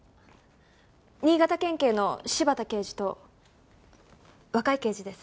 新潟県警の柴田刑事と若い刑事です。